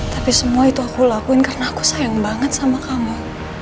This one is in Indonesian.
tapi semua itu aku lakuin karena aku sayang banget sama kamu